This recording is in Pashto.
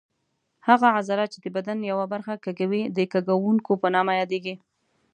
هغه عضله چې د بدن یوه برخه کږوي د کږوونکې په نامه یادېږي.